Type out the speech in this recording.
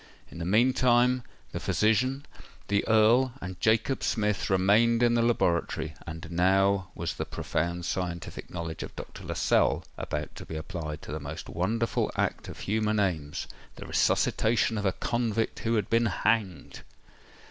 In the meantime, the physician, the Earl, and Jacob Smith remained in the laboratory; and now was the profound scientific knowledge of Dr. Lascelles about to be applied to the most wonderful act of human aims—the resuscitation of a convict who had been hanged!